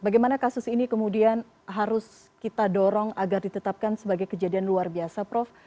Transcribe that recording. bagaimana kasus ini kemudian harus kita dorong agar ditetapkan sebagai kejadian luar biasa prof